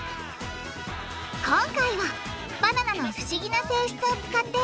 今回はバナナの不思議な性質を使って